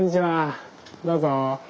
どうぞ。